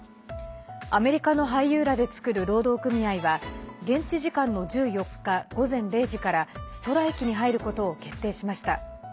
アメリカの俳優らで作る労働組合は現地時間の１４日午前０時からストライキに入ることを決定しました。